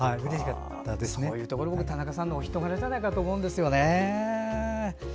そういうところ田中さんのお人柄じゃないかと思いますね。